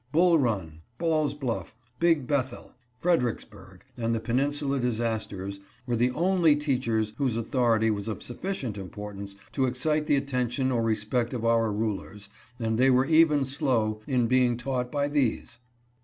Bull Run, Ball's Bluff, Big Bethel, Fredericksburg, and the Peninsula disasters were the only teachers whose authority was of sufficient import ance to excite the attention or respect of our rulers, and they were even slow in being taught by these.